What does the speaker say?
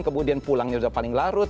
kemudian pulangnya sudah paling larut